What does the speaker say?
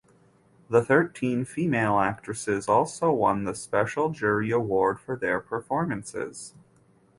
The thirteen female actresses also won the Special Jury Award for their performances.